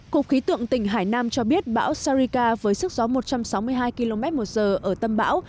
cục khí tượng tỉnh hải nam cho biết bão sarika với sức gió một trăm sáu mươi hai km một giờ ở tâm bão